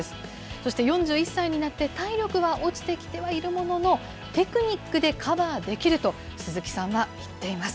そして４１歳になって、体力は落ちてきてはいるものの、テクニックでカバーできると、鈴木さんは言っています。